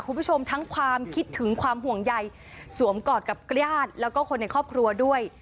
คุณผู้ชมทั้งความคิดถึงความห่วงใยสวมกอดกับญาติแล้วก็คนในครอบครัวด้วย